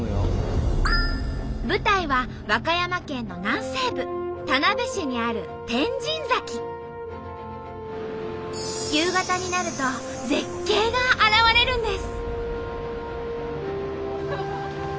舞台は和歌山県の南西部田辺市にある夕方になると絶景が現れるんです。